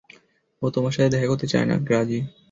ও তোমার সাথে দেখা করতে চায় না, গ্রাজি।